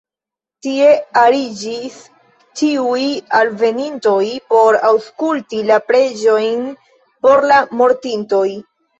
Tie ariĝis ĉiuj alvenintoj por aŭskulti la preĝojn por la mortintoj.